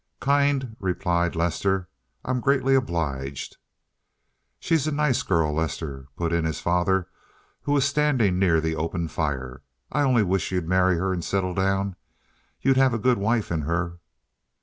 "Kind," replied Lester. "I'm greatly obliged." "She's a nice girl, Lester," put in his father, who was standing near the open fire. "I only wish you would marry her and settle down. You'd have a good wife in her."